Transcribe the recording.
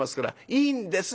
いいんです。